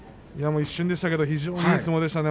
一瞬でしたけどもいい相撲でしたね。